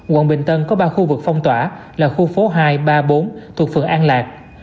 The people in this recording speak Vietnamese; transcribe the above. quận bình tân có ba khu vực phong tỏa là khu phố hai ba bốn thuộc phường an lạc